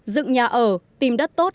dựng nhà ở tìm đất tốt